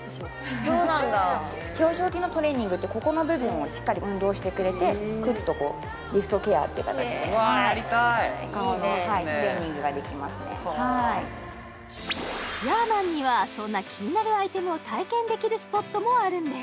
表情筋のトレーニングってここの部分をしっかり運動してくれてクッとこうリフトケアっていう形で顔のトレーニングができますねヤーマンにはそんな気になるアイテムを体験できるスポットもあるんです